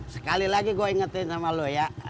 sekali lagi gue ingetin sama lo ya